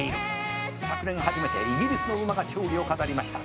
「昨年初めてイギリスの馬が勝利を飾りました」